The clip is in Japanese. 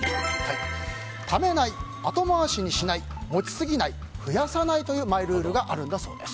ためない、後回しにしない持ちすぎない、増やさないというマイルールがあるんだそうです。